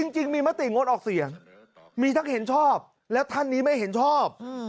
จริงมีมติงดออกเสียงมีทั้งเห็นชอบและท่านนี้ไม่เห็นชอบ